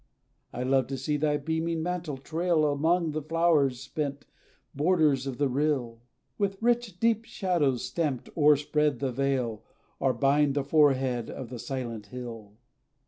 I love to see thy beaming mantle trail Along the flower sprent borders of the rill, With rich, deep shadows stamped, o'erspread the vale, Or bind the forehead of the silent hill.